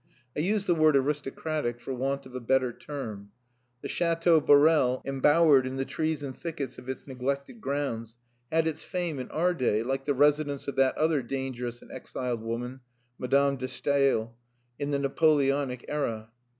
I use the word aristocratic, for want of a better term. The Chateau Borel, embowered in the trees and thickets of its neglected grounds, had its fame in our day, like the residence of that other dangerous and exiled woman, Madame de Stael, in the Napoleonic era.